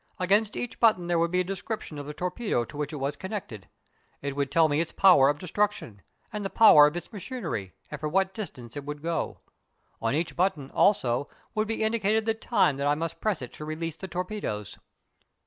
Against each button there would be a description of the torpedo to which it was connected; it would tell me its power of destruction, and the power of its machinery, and for what distance it would go. On each button, also, would be indicated the time that I must press it to release the torpedoes.